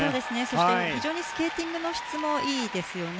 非常にスケーティングの質もいいですよね。